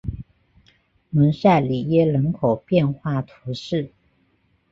蒙塞里耶人口变化图示